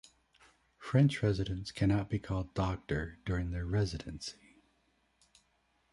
French Residents cannot be called "Doctor" during their residency.